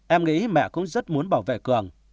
em nghĩ mẹ cũng rất muốn bảo vệ cường